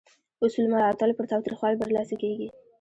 اصول مراعاتول پر تاوتریخوالي برلاسي کیږي.